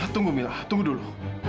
tunggu mila tunggu dulu